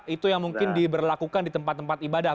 itu yang mungkin diberlakukan di tempat tempat ibadah